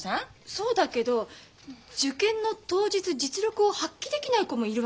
そうだけど受験の当日実力を発揮できない子もいるわけでしょ。